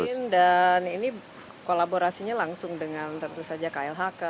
mungkin dan ini kolaborasinya langsung dengan tentu saja klhk